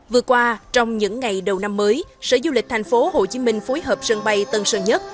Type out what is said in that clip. vừa qua trong những ngày đầu năm mới sở du lịch tp hcm phối hợp sân bay tân sơn nhất